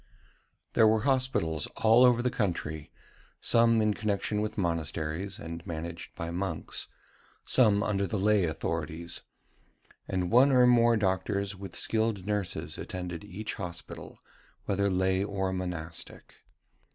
There were Hospitals all over the country, some in connexion with monasteries, and managed by monks, some under the lay authorities; and one or more doctors with skilled nurses attended each hospital, whether lay or monastic.